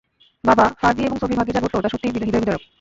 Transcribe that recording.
বাবা, ফার্দি এবং সোফির ভাগ্যে যা ঘটল তা সত্যিই হৃদয়বিদারক।